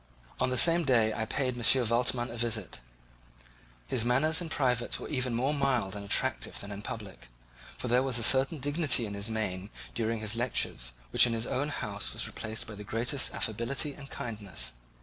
On the same day I paid M. Waldman a visit. His manners in private were even more mild and attractive than in public, for there was a certain dignity in his mien during his lecture which in his own house was replaced by the greatest affability and kindness.